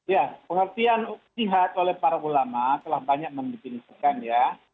ya pengertian jihad oleh para ulama telah banyak mendefinisikan ya